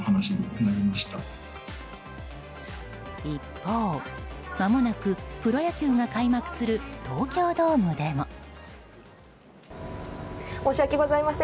一方、まもなくプロ野球が開幕する東京ドームでも。